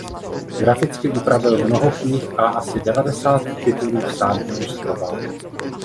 Graficky upravil mnoho knih a asi devadesát titulů sám ilustroval.